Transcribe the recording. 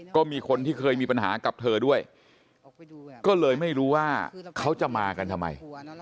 ก็มีคนที่เคยมีปัญหากับเธอด้วยก็เลยไม่รู้ว่าเขาจะมากันทำไม